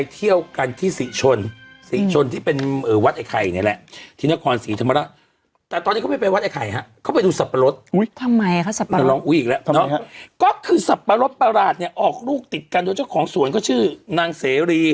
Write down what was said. ติดกันโดยเจ้าของสวนก็ชื่อนางเสรี